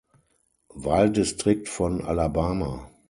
Wahldistrikt von Alabama.